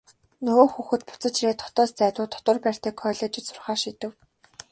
Нөгөө хүүхэд буцаж ирээд хотоос зайдуу дотуур байртай коллежид сурахаар шийдэв.